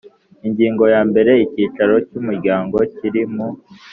Ingingo yambere Icyicaro cy Umuryango kiri mu